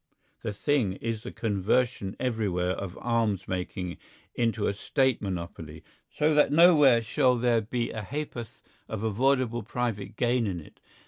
The thing is the conversion everywhere of arms making into a State monopoly, so that nowhere shall there be a ha'porth of avoidable private gain in it.